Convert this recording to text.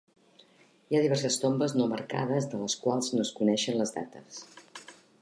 Hi ha diverses tombes no marcades de les quals no es coneixen les dates.